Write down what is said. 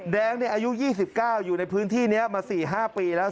แดงอายุ๒๙อยู่ในพื้นที่นี้มา๔๕ปีแล้ว